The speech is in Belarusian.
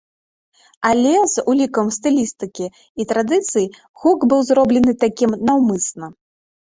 Але, з улікам стылістыкі і традыцый, гук быў зроблены такім наўмысна.